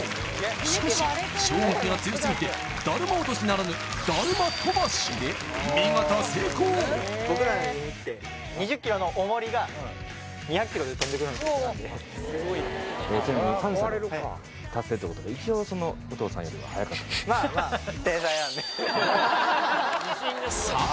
しかし衝撃が強すぎてだるま落としならぬだるま飛ばしで見事成功僕らの弓って２０ｋｇのおもりが２００キロで飛んでくるのと一緒なんでまあまあさあ